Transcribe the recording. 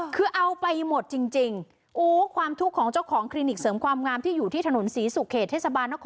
คือเอาไปหมดจริงโอ้ความทุกข์ของเจ้าของคลินิกเสริมความงามที่อยู่ที่ถนนศรีสุขเขตเทศบาลนคร